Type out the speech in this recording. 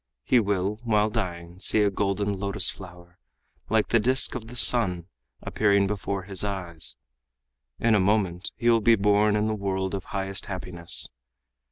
He will, while dying, see a golden lotus flower, like the disk of the sun, appearing before his eyes; in a moment he will be born in the world of highest happiness.